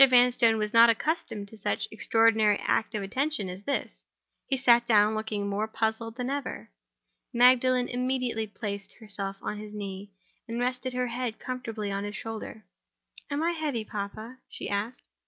Vanstone was not accustomed to such an extraordinary act of attention as this. He sat down, looking more puzzled than ever. Magdalen immediately placed herself on his knee, and rested her head comfortably on his shoulder. "Am I heavy, papa?" she asked.